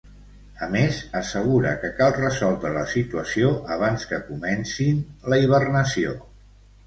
A més, assegura que cal resoldre la situació abans que comencin la hibernació.